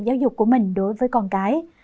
hữu dục của mình đối với con cái